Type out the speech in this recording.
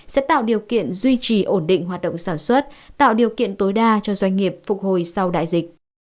sẽ tạo điều kiện duy trì ổn định hoạt động sản xuất tạo điều kiện tối đa cho doanh nghiệp phục hồi sau đại dịch